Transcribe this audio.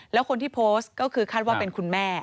แล้วคนที่โพสต์ก็คือคาดว่าเป็นคุณแม่